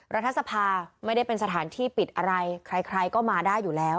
รัฐสภาไม่ได้เป็นสถานที่ปิดอะไรใครก็มาได้อยู่แล้ว